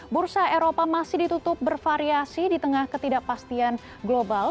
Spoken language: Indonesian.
bursa eropa masih ditutup bervariasi di tengah ketidakpastian global